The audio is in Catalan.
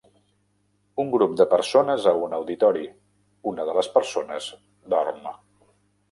un grup de persones a un auditori, una de les persones dorm